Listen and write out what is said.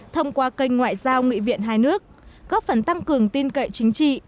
thông qua kênh ngoại giao nghị viện hai nước góp phần tăng cường tin cậy chính trị